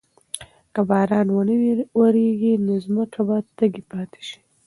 که باران ونه وریږي نو ځمکه به تږې پاتې شي.